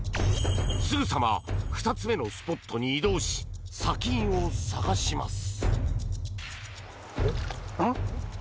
すぐさま２つ目のスポットに移動し、砂金を探します。